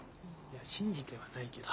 いや信じてはないけど。